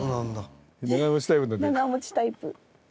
長持ちタイプ。